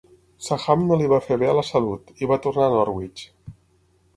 Saham no li va fer bé a la salut, i va tornar a Norwich.